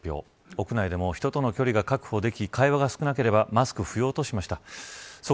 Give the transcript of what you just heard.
屋内でも人との距離が確保でき会話が少なければマスク不要としました。